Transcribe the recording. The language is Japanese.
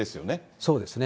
そうですね。